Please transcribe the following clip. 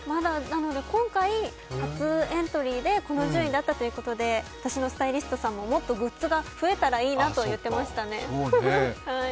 今回、初エントリーでこの順位だったということで私のスタイリストさんも、もっとグッズが増えたらいいなって言ってましたね。